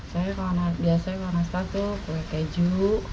saya biasanya kalau nasar tuh kue keju